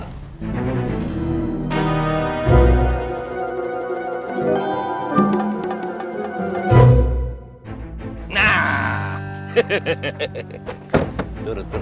ini ini yang gue takutin